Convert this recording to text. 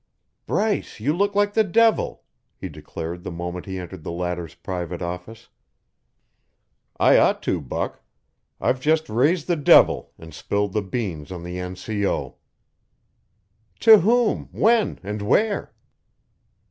"Bryce, you look like the devil," he declared the moment he entered the latter's private office. "I ought to, Buck. I've just raised the devil and spilled the beans on the N. C. O." "To whom, when, and where?"